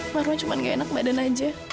marwah cuma gak enak badan aja